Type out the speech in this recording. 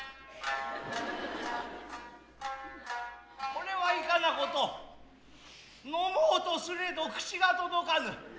是れはいかな事呑もうとすれど口が届かぬ。